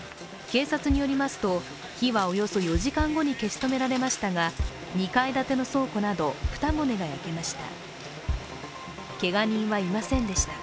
警察によりますと、火はおよそ４時間後に消し止められましたが、２階建ての倉庫など２棟が焼けました。